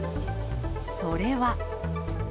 それは。